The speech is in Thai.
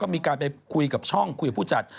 มีการไปคุยกับช่องคุยกับผู้จัด